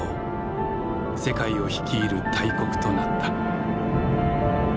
世界を率いる大国となった。